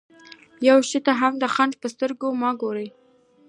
يوه شي ته هم د خنډ په سترګه مه ګورئ.